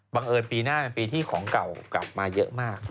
เอิญปีหน้าเป็นปีที่ของเก่ากลับมาเยอะมาก